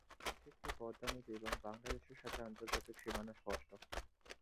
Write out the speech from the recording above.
মানচিত্রে পদ্মা নদী এবং বাংলাদেশের সাথে আন্তর্জাতিক সীমানা স্পষ্ট।